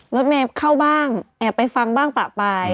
รถเมล์เข้าบ้างแอบไปฟังบ้างต่อไป